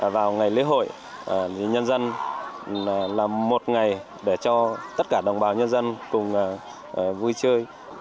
vào ngày lễ hội nhân dân là một ngày để cho tất cả đồng bào nhân dân cùng vui chơi